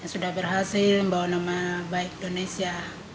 sudah berhasil membawa nama baik indonesia